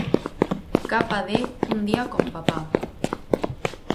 Capa de 'Un día con papá'.